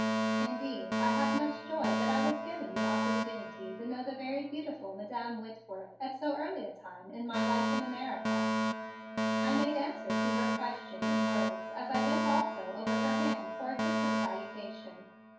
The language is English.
"Indeed, I have much joy that I was given the opportunity to know the very beautiful Madam Whitworth at so early a time in my life in America," I made answer to her question in words as I bent also over her hand for a kiss of salutation.